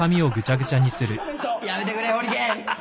やめてくれホリケン。